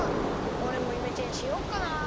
おれもイメチェンしよっかな。